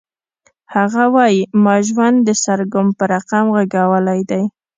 هغه وایی ما ژوند د سرګم په رقم غږولی دی